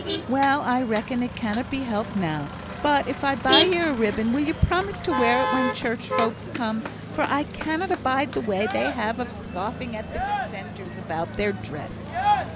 "Well! I reckon it cannot be helped now; but if I buy ye a ribbon, will you promise to wear it when church folks come? for I cannot abide the way they have of scoffing at the Dissenters about their dress."